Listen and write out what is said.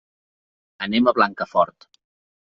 Anem a Blancafort.